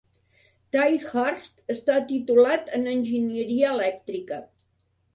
Ticehurst està titulat en enginyeria elèctrica.